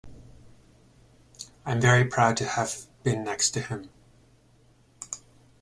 I'm very proud to have been next to him.